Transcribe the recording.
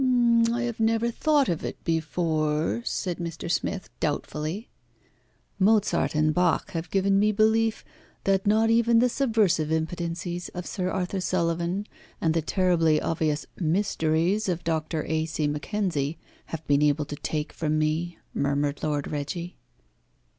"I have never thought of it before," said Mr. Smith doubtfully. "Mozart and Bach have given me belief that not even the subversive impotencies of Sir Arthur Sullivan, and the terribly obvious 'mysteries' of Dr. A. C. Mackenzie, have been able to take from me," murmured Lord Reggie.